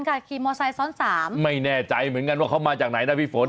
ขี่มอไซค้อนสามไม่แน่ใจเหมือนกันว่าเขามาจากไหนนะพี่ฝน